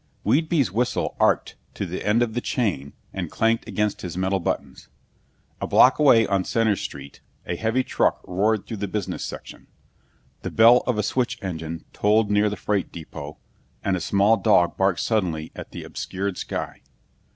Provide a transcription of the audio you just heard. Whedbee's whistle arced to the end of the chain and clanked against his metal buttons. A block away on Center Street, a heavy truck roared through the business section. The bell of a switch engine tolled near the freight depot, and a small dog barked suddenly at the obscured sky.